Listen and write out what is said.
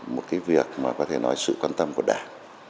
một cái việc mà có thể nói sự quan tâm của đảng